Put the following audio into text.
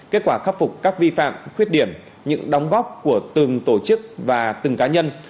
kết quả khắc phục các vi phạm khuyết điểm những đóng góp của từng tổ chức và từng cá nhân